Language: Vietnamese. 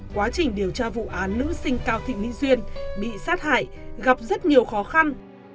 quá trình điều tra vụ án nữ sinh cao thị mỹ duyên bị sát hại gặp rất nhiều khó khăn